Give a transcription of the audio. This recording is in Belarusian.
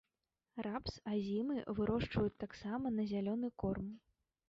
Рапс азімы вырошчваюць таксама на зялёны корм.